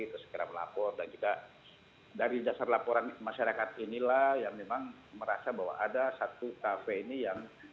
terus segera melapor dan juga dari dasar laporan masyarakat inilah yang memang merasa bahwa ada satu kafe ini yang